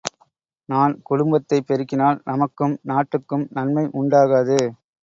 நான் குடும்பத்தைப் பெருக்கினால் நமக்கும் நாட்டுக்கும் நன்மை உண்டாகாது.